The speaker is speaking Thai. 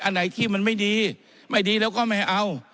อันไหนที่มันไม่ดีไม่ดีแล้วก็ไม่เอา